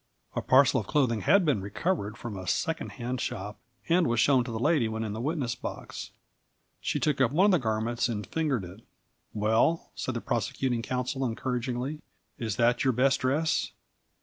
A parcel of clothing had been recovered from a second hand shop and was shown to the lady when in the witness box. She took up one of the garments and fingered it. "Well," said the prosecuting counsel, encouragingly, "is that your best dress?"